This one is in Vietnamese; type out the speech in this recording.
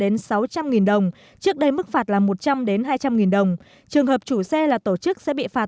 nghìn đồng trước đây mức phạt là một trăm linh hai trăm linh nghìn đồng trường hợp chủ xe là tổ chức sẽ bị phạt